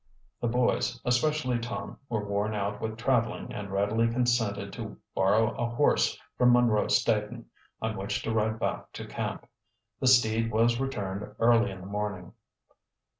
The boys, and especially Tom, were worn out with traveling and readily consented to borrow a horse from Munro Staton, on which to ride back to camp. The steed was returned early in the morning.